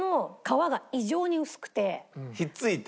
ひっついて？